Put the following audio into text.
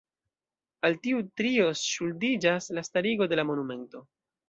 Al tiu trio ŝuldiĝas la starigo de la monumento.